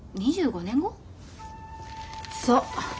そう。